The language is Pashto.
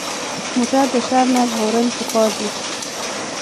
موټر د شر نه ژغورل پکار دي.